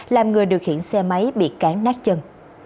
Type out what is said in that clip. làm người điều khiển xe máy bị cán nát chân